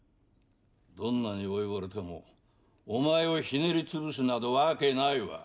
どんなに老いぼれてもお前をひねり潰すなどわけないわ！